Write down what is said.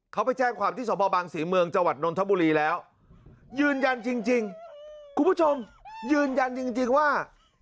เขาไปแจ้งความที่สมบังศรีเมืองจังหวัดนนทบุรีแล้วยืนยันจริงคุณผู้ชมยืนยันจริงว่า